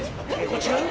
これ違う？